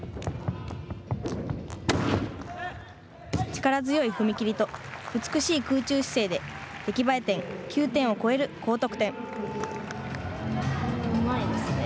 力強い踏み切りと美しい空中姿勢で出来栄え点９点を超えるうまいですね。